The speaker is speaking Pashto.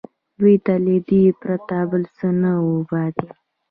دوی ته له دې پرته بل څه نه وو پاتې